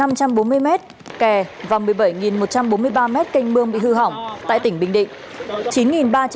một trăm bốn mươi mét kè và một mươi bảy một trăm bốn mươi ba mét canh mương bị hư hỏng tại tỉnh bình định